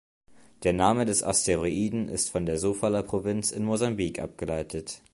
Der Name des Asteroiden ist von der Sofala-Provinz in Mosambik abgeleitet.